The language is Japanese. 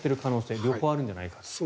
両方あるんじゃないかと。